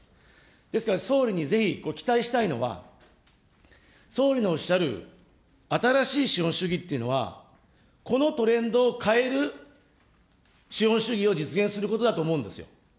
ですから、総理にぜひ期待したいのは、総理のおっしゃる新しい資本主義というのは、このトレンドを変える資本主義を実現することだと思うんですよ。